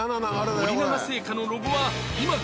森永製菓のロゴは今か？